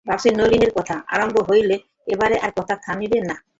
ভাবিতেছ, নলিনের কথা আরম্ভ হইল, এবারে আর কথা থামিবে না।